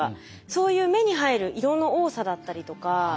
そういう目に入る色の多さだったりとか。